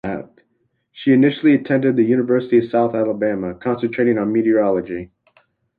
She initially attended the University of South Alabama, concentrating on meteorology.